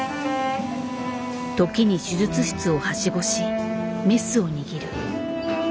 時に手術室をはしごしメスを握る。